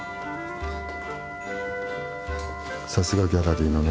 さすがギャラリーのネコ。